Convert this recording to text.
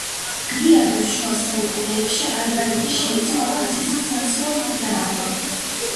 გვიანდელ შუა საუკუნეებში არბალეტი შეცვალა ცეცხლსასროლ იარაღმა.